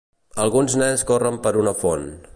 Alguns nens corren per una font.